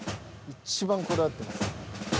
一番こだわってます。